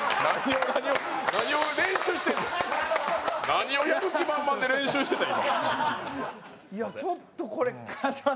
何をやる気満々で練習してんの。